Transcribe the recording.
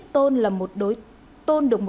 tôn được một tỷ đồng